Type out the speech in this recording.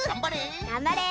がんばれ。